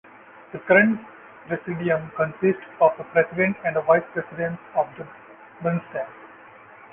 The current presidium consists of the president and vice presidents of the Bundestag.